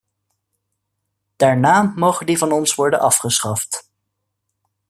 Daarna mogen die van ons worden afgeschaft.